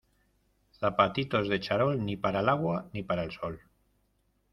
Zapatitos de charol, ni para el agua ni para el sol.